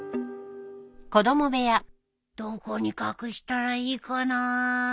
どこに隠したらいいかなあ？